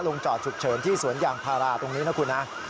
ลงจอดถุกเฉินที่สวนอย่างภาระตรงนี้นะครับ